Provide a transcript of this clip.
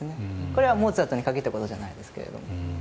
これはモーツァルトに限ったことじゃないですけども。